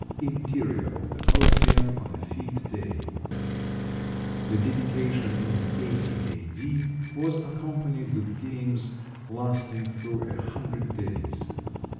[Illustration: INTERIOR OF THE COLOSSEUM ON A FÊTE DAY] The dedication in 80 A. D. was accompanied with games lasting through a hundred days.